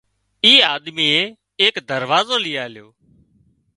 اي آڌميئي ايڪ دروازو لئي آليو